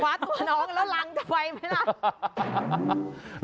คว้าตัวน้องแล้วลังไปไหมนะ